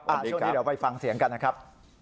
ช่วงนี้เราไปฟังเสียงกันนะครับ